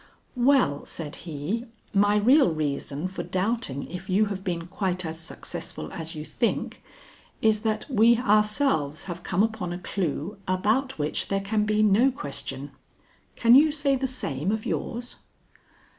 "Well," said he, "my real reason for doubting if you have been quite as successful as you think, is that we ourselves have come upon a clue about which there can be no question. Can you say the same of yours?"